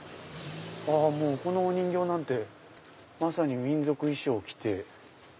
もうこのお人形なんてまさに民族衣装を着て。